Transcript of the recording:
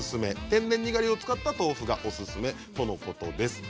天然にがりを使った豆腐がおすすめとのことです。